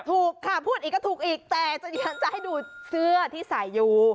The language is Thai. ถูกค่ะพูดอีกก็ถูกอีกแต่เดี๋ยวฉันจะให้ดูเสื้อที่ใส่อยู่